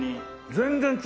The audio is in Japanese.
全然違うね！